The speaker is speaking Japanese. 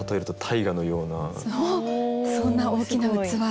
そんな大きな器。